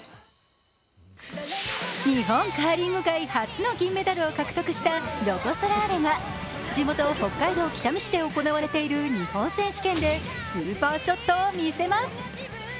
日本カーリング界初の金メダルを獲得したロコ・ソラーレが地元・北海道北見市で行われている日本選手権でスーパーショットを見せます。